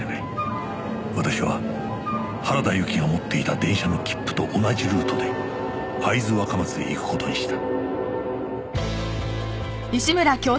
私は原田由紀が持っていた電車の切符と同じルートで会津若松へ行く事にした